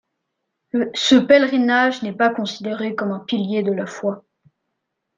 Ce pèlerinage n’est pas considéré comme un pilier de la foi.